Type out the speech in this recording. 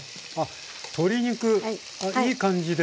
鶏肉いい感じで。